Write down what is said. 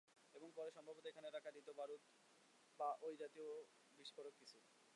এবং পরে সম্ভবত এখানে রাখা হত বারুদ বা ওই জাতীয় বিস্ফোরক কিছু।